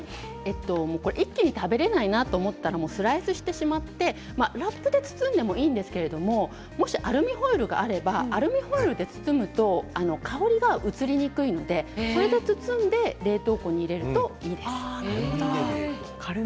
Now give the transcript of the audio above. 一気に食べることができないなと思ったらスライスしてラップでもいいんですけれどもアルミホイルがあればアルミホイルで包むと香りが移りにくいのでそれで包んで冷凍庫に入れるといいです。